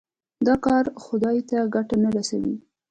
دا کار خدای ته ګټه نه رسوي.